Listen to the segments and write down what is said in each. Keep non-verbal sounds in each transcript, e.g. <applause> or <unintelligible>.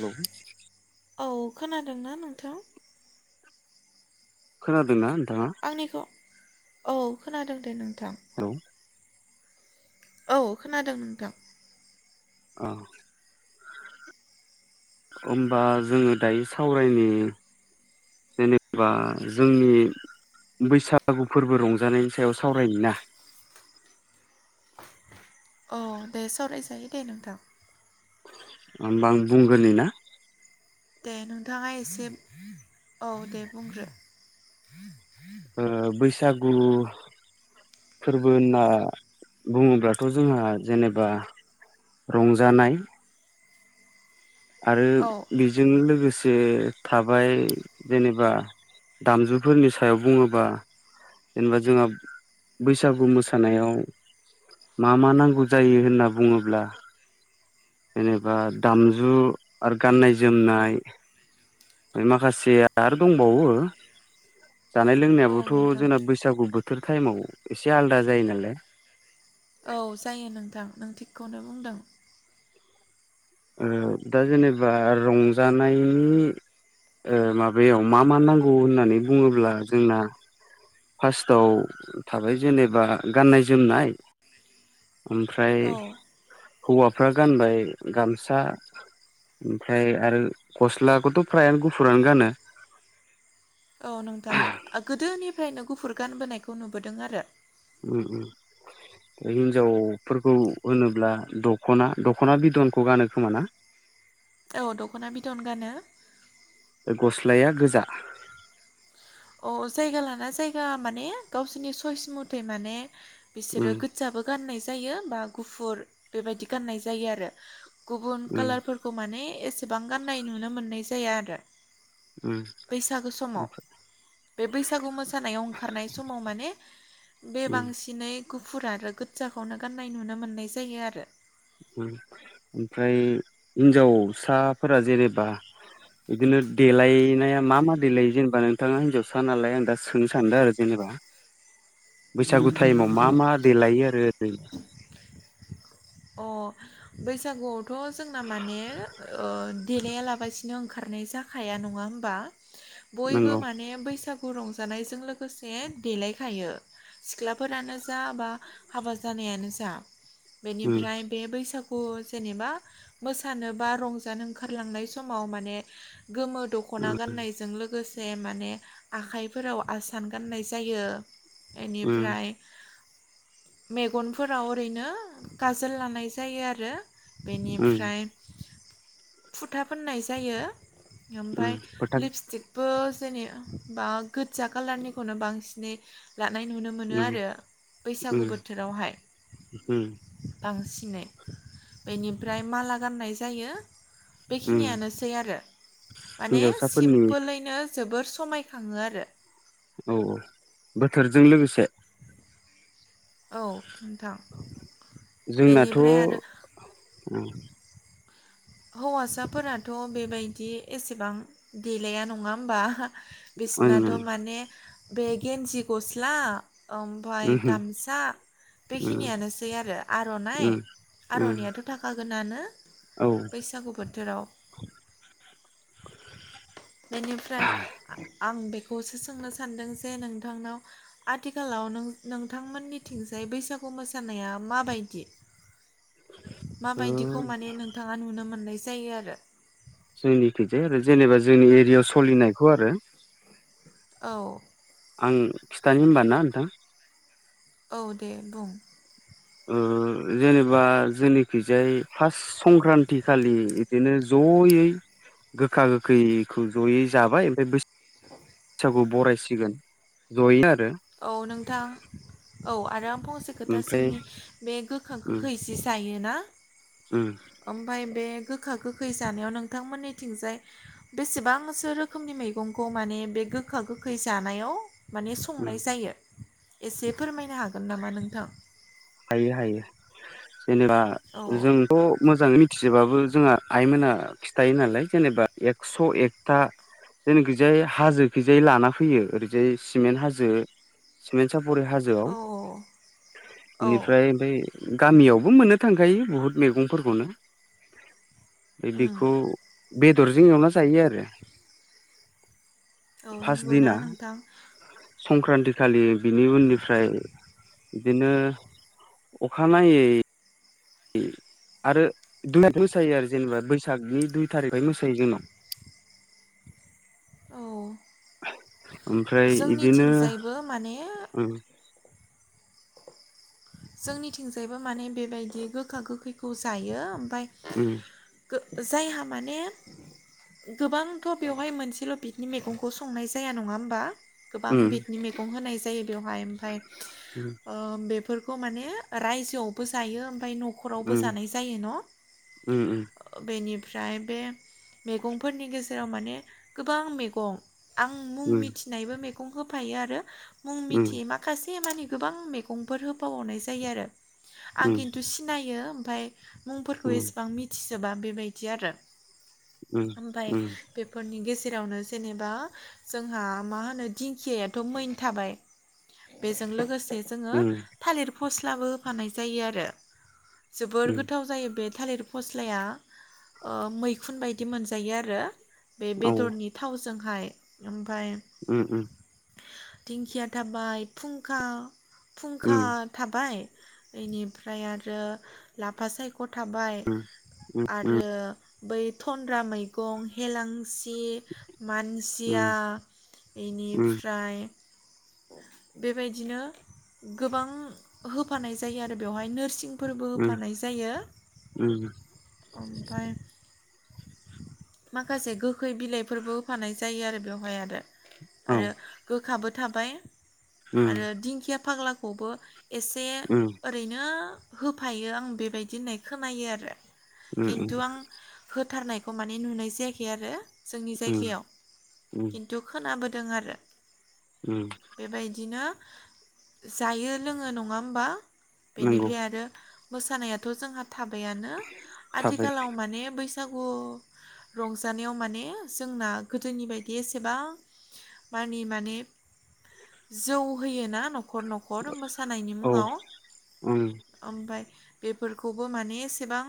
हेल'। औ खोनादों ना नोंथां? खोनादोंना? नोंथाङा आंनिखौ औ खोनादों दे नोंथां। हेलौ औ खोनादों नोंथां। औ होमबा जोङो दायो सावरायनि होनोबा जोंनि बैसागु फोरबो रंजानायनि सायाव सावरायनि ना। औ दे सावरायजायो दे नोंथां। होमबा आं बुग्रोनि ना। दे नोंथाङा एसे औ दे बुंग्रो। ओ बैसागु फोरबो होनना बुङोब्लाथ' जोंहा जेनेबा रंजानाय आरो औ बेजों लोगोसे जे थाबाय जेनेबा दामजुफोरनि सायाव बुङोबा जेनेबा जोंहा बैसागु मोसानायाव मा मा नांगौ जायो होनना बुङोब्ला जेनेबा दामजु आरो गाननाय जोमनाय माखासेया आरो दंबावो जानाय लोंनाया औ थ' नोंथां जोंना बैसागु बोथोर टाइमाव एसे आलदा जायो नालाय औ जायो नोंथां नों थिगखौनो बुंदों। ओ दा जेनेबा रंजानायनि ओ माबायाव मा मा नांगौ होननानै बुङोब्ला जोंना फार्स्टआव थाबाय जेनेबा गाननाय जोमनाय ओमफ्राय औ हौवाफ्रा गानबाय गामसा ओमफ्राय आरो गस्लाखौथ' फ्रायानो गुफुरानो गानो। औ नोंथां आ गोदोनिफ्रायनो गुफुर गानबोनायखौ नुबोदों आरो। उम उम हिनजावफोरखौ होनोब्ला दखना दख'ना बिदनखौ गानो खोमा ना? <inaudible> औ दख'ना बिदन गानो। लाया गोजा अ जायगा लाना जायगा माने गावसोरनि सइस मथे माने उम बिसोरो गोजाबो गाननाय जायो बा गुफुर बेबायदि गाननाय जायो आरो गुबुन उम कालारफोरखौ माने एसेबां गाननाय नुनो मोननाय जाया आरो बैसागो समाव उम बे बैसागु मोसानायाव ओंखारनाय समाव माने बे बांसिनै गुफुर आरो गोजाखौनो गाननाय नुनो मोननाय जायो आरो। ओमफ्राय हिन्जावसाफोरा जेनेबा बिदिनो देलायनाया मा मा देलायो जेनेबा नोंथाङा हिनजावसा नालाय आं दा सोंनो सानदो आरो जेनेबा बैसागु टाइमाव मा मा देलायो आरो ओरै अ बैसागुआवथ' जोंना माने ओ देलाया लाबासिनो ओंखारनाय जाखाया नङा होमबा बयबो नंगौ माने बैसागु खौ रंजानायजों लोगोसे देलायखायो सिख्लाफोरानो जा बा हाबा जानायानो जा उम ओमफ्राय बे बैसागु अ जेनेबा मोसानो बा रंजानो ओंखारलांनाय समाव माने गोमो दख'ना गाननायजों लोगोसे जे माने आखाइफोराव आसान गाननाय जायो उम बेनिफ्राय मेगनफोराव ओरैनो काजोल लानाय जायो आरो उम बेनिफ्राय फुथा फोननाय जायो। उम ओमफाय फोथा लिपस्टिकबो जेनेबा गोजा कालारनिखौनो बांसिनै लानाय नुनो मोनो उम आरो उम बैसागु बोथोरावहाय उम बांसिनै बेनिफ्राय माला गाननाय जायो। उम बेखिनियानोसै आरो माने हिन्जावसाफोरनि औ सिमपोलैनो जोबोर समायखाङो आरो औ औ बोथोरजों लोगोसे औ नोंथां जोंनाथ' बेनिफ्राय ओं आरो उम हौवासाफोराथ' बेबायदि एसेबां देलाया नङा होमबा बिसनाथ' माने बे गन्जि गस्ला ओमफाय उम गामसा बेखिनियानोसै आरो आर'नाइ उम उम आर'नायाथ' थाखागोनानो औ बैसागु बोथोराव बसो सोंनो सानदों जे नोंथांनाव आथिखालाव नों नोंथांमोननिथिंजाय बैसागु मोसानाया माबायदि <inaudible> माबायदिखौ माने नोंथाङा नुनो मोननाय जायो आरो जोंनिथिजाय आरो जेनेबा जोंनि एरियायाव सोलिनायखौ आरो औ आं खिथानि होमबा ना नोंथां औ दे बुं ओ जेनेबा जोंनिखिजाय फार्स्ट संक्रान्ति खालि बिदिनो जयै गोखा-गोखैखौ ज'यै जाबाय ओमफाय बै <unintelligible> बरायसिगोन जयैनो औ नोंथां औ आरो फंसे खोथा ओमफ्राय सोंनि बे उम गोखा-गोखै जि जायोना उम आमबाय बे गोखा-गोखै जानायाव नोंथांमोननिथिंजाय बेसेबांसो रोखोमनि मैगंखौ माने बे गोखा-गोखै जानायाव माने उम संनाय जायो एसे फोरमायनो हागोन नामा नोंथां। हायो हायो जेनेबा औ जोंथ' मोजाङै मिथिजोबाबो जोंहा आइमोना खिथायो नालाय जेनेबा एकस' एकथा जोंनि गोजाय हाजो गोजाय लाना फैयो ओरैजाय सिमेन्ट हाजो सिमन्ट सा सापुरि हाजोआव औ औ बेनिफ्राय बे गामियावबो मोननो थांखायो बुहुत मैगंफोरखौनो। उम बेखौ बेदरजों एवना जायो आरो औ फार्स्ट नंगौना दिना नोंथां संक्रान्ति खालि बिनि उननिफ्राय बिदिनो अखानायै आरो बिदिनो मोसायो आरो जेनेबा बैसागनि दुइ थारिखानिफ्राय मोसायो जोंनाव औ ओमफ्राय इदिनो जोंनिथिंजायबो माने जोंनिथिंजायबो माने बेबायदि गोखा-गोखैखौ जायो। उम जायहा माने गोबांथ' बेवहाय मोनसेल' बिकनि मैगंखौ संनाय जाया नङा होमबा? गोबां उम बिदनि मैगं होनाय जायो बेवहाय आमफ्राय अ बे खौ माने रायजोआवबो जायो फाय न'खरावबो उम जानाय जायो उम उम न' बेनि फ्राय बे मैगंफोरनि गेजेराव माने गोबां मैगं आं मुं उम मिथिनायबो मेगं होफायो आरो मुं उम मिथियै माखासे मानि गोबां मैगंफोर होबावनाय जायो आरो आं उम खिन्थु सिनायो ओमफाय मुंफोरखौ उम एसेबां मिथिजोबा बेबायदि आरो। ओमफाय उम बेफोरनि गेजेर जेरावनो जेनेबा जोंहा मा होनो दिंखियाथ' मै थाबाय। बेजों लोगोसे जोंङो उम थालिर फस्लाबो होफानाय जायो आरो जोबोर उम गोथाव जायो बे थालिर फस्लाया ओ मैखुन बायदि मोनजायो आरो। बे औ बेदरनि थावजोंहाय ओमफाय उ उ। दिंखिया थाबाय फुंखा उम फुंखा थाबाय बेनिफ्राय आरो लाफा सायख ख थाबाय उम उम आरो बै थनद्रा हेलों सि मानसिया उम बेनिफ्राय बेबायदिनो गोबां होफानाय जायो आरो बेवहाय नोरसिं फोरबो उम होफानाय जायो उम ओमफाय माखासे गोखै बिलाइफोरबो होफानाय जायो आरो बेवहाय आरो। औ उम आरो गोखाबो थाबाय उम आरो दिंखिया फाग्लाखौबो एसे ओरैनो होफायो आं बेबायदि होननाय खोनायो आरो उम खिन्थु आं होथारनायखौ खौ माने नुनाय जायाखै आरो जोंनि उम जायगायाव उम खिन्थु खोनाबो दों आरो उम बेबायदिनो जायो लोङो नङा होमबा नंगौ बेनिफ्राय आरो मोसानायाथ' जोंहा थाबायानो थाबाय आथिखालाव माने बैसागु रंजानायाव माने जोंना गोदोनि बायदि एसेबां मानि माने जौ होयोना न खर नखर मोसानायनि औ मुङाव उम ओमफ्राय बेफोरखौबो माने एसेबां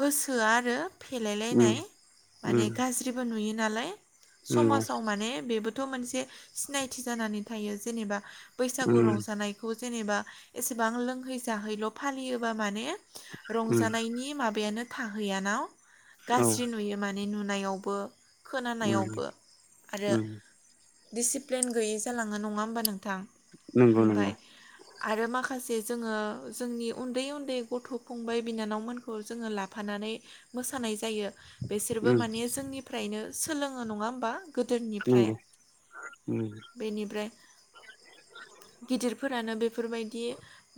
होसोआ आरो उम फेलायलायनाय माने उम गाज्रिबो नुयो नालाय नंगौ समाजाव माने बेबो थ मोनसे सिनायथि जानानै थायो जेनेबा बैसागु उम रंजानायखौ जेनेबा एसेबां लोंहै जाहैल' फालियोबा माने उम रंजानायनि माबायानो थाहैयानाव औ गाज्रि नुयो माने नु नायावबो उम खोनानायावबो आरो उम दिसि प्लेन गैयि जालाङो नङा होमबा नोंथां नंगौ नंगौ ओमफ्राय आरो माखासे जोङो जोंनि उन्दै उन्दै गथ' फंबाय बिनानावमोनखौ जोङो लाफानानै मोसानाय होननाय जायो। बेसोरबो उम नंगौ माने जोंनिफ्रायनो सोलोङो नङा होमबा गोदोनिफ्राय उम। फ्राय गिदिरफोरानो बेफोरबायदि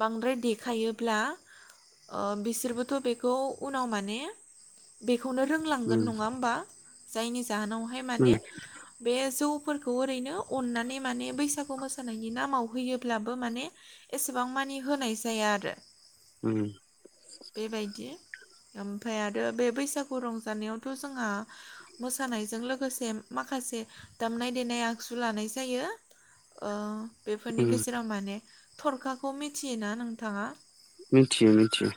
बांद्राय देखायोब्ला ओ बिसोरबोथ' बेखौ उनाव माने बे खौनो रोंलांगोन उम नङा होमबा जायनि जाहोनावहाय उम माने बे जौफोरखौ ओैनो अनानै माने बसागु मोसानायनि नामाव होयोब्लाबो माने एसेबां माने होनाय जाया आरो। उम। आमफाय आरो बे बैसागु रंजानायावथ' जोंहा मोसानायजों लोगोसे माख खासे दामनाय देनाय आग जु लानाय जायो ओ बेफोरनि उम गेजेराव माने थरखाखौ मिथियोना नोंथाङा? मोनथियो मिनथियो।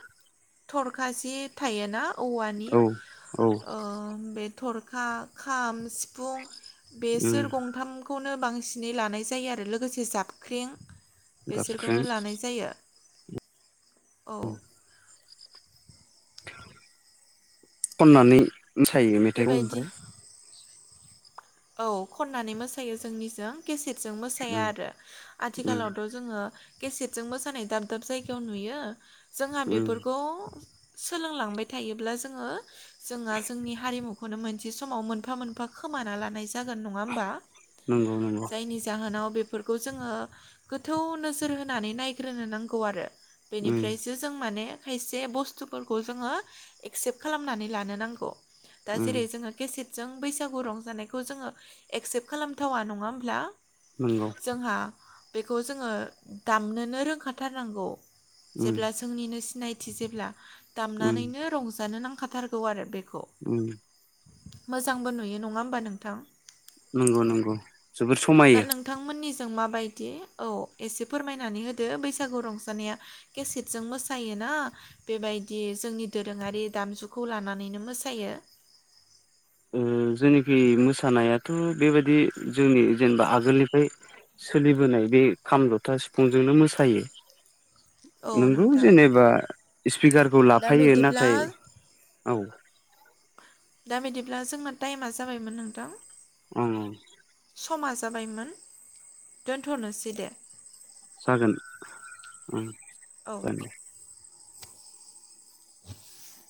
थरखासि थायोना औवानि औ औ ओ बे थर खा खाम सिफुं उम बेसोर गं <unintelligible> खौनो बांसिनै लानाय जायो आरो लोगोसे जाबख्रें बेसोरखौनो जाबख्रिं लानाय जायो औ। खननानै मोसायो मेथाइखौ बेबायदि ओमफ्राय औ खननानै मोसायो जोंनिजों केसेद जों मोसाया उम आरो उम आथिखालावथ' जोङो केसेटजों मोसानाय दाब-दाब जायगायाव नुयो जोंहा उम बेफोरखौ सोलोंलांबाय थायोब्ला जोङो जोंहा जोंनि हारिमुख खौनो मोनसे समाव मोनफा मोनफा खोमाना लानाय जागोन नङा होमबा? नंगौ नंगौ जायनि जाहोनाव बेफोरखौ जोङो गोथौ नोजोर होनानै नायग्रोनो नांगौ आरो। उम बेनिफ्रायसो जों माने खायसे बस्थुफोरखौ जोङो एक्सेप्ट खालामनानै लानो नांगौ। दा उम जेरै जोङो केसेटजों बैसागु रं जानाय खौ जोङो एक्सेप्ट खालामथावा नङा होमब्ला नंगौ जोंहा बेखौ जोङो दामनोनो रोंखाथारनांगौ उम जेब्ला जोंनिनो सि नायथि जेब्ला उम दामनानैनो रंजानो नांखाथारगौ आरो बे <unintelligible> उम मोजांबो नुयो नङा होमबा नोंथां? नंगौ नंगौ जोबोर दा समायो नोंथांमोननि ज जों माबायदि औ एसे फोरमायनानै होदो बैसागु रंजानाया केसेटजों मोसायो <unintelligible> ना बेबायदि जोंनि दोरोङारि दामजुखौ लानानैनो मोसायो <inaudible> ओ जेनेखि मोसानायाथ' बेबायदि जोंनि जेनबा आगोलनिफ्राय सोलिबोनाय बे खाम जथा सिफुंजोंनो मोसायो। औ नोंगौ नोंथां जेनेबा स्फिगारखौ दा लाफायो बिदिब्ला नाथाय औ दा बिदिब्ला जोंना टाइमा जाबायमोन नोंथां ओं ओं समा जाबायमोन दोनथ'नोसै दे। जागोन औ <unintelligible> <unintelligible>